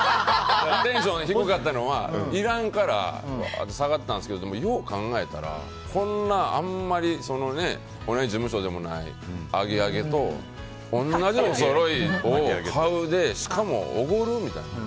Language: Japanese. テンション低かったのはいらんから下がったんですけどよう考えたら同じ事務所でもないあげあげと同じおそろいを買うでしかも、おごる？みたいな。